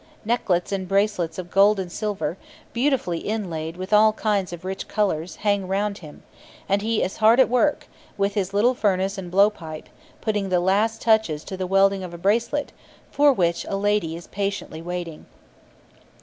Necklets and bracelets of gold and silver, beautifully inlaid with all kinds of rich colours, hang round him; and he is hard at work, with his little furnace and blowpipe, putting the last touches to the welding of a bracelet, for which a lady is patiently waiting.